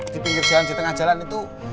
di pinggir jalan di tengah jalan itu